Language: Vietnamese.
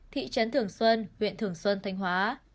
thị trấn thường xuân huyện thường xuân thanh hóa